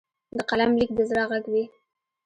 د قلم لیک د زړه غږ وي.